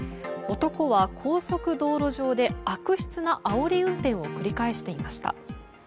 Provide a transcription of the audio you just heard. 男は高速道路上で悪質なあおり運転を繰り返していました。